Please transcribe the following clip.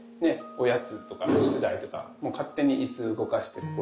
おやつとか宿題とかもう勝手に椅子動かしてここで。